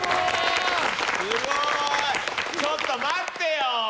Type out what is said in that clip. ちょっと待ってよ。